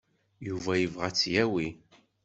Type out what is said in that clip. Yuba yebɣa ad tt-yawi.